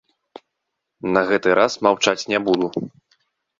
На гэты раз маўчаць не буду!